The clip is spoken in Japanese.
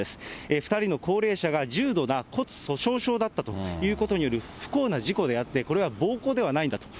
２人の高齢者が重度な骨粗しょう症だったということによる不幸な事故であって、これは暴行ではないんだと。